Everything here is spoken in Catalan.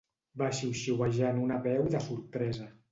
Va xiuxiuejar en una veu de sorpresa.